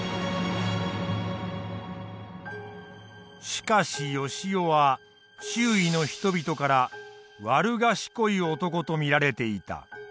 しかし善男は周囲の人々から悪賢い男と見られていた。